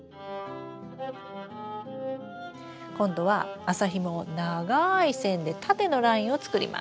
今度は麻ひもを長い線で縦のラインを作ります。